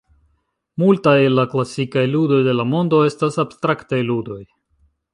Multaj el la klasikaj ludoj de la mondo estas abstraktaj ludoj.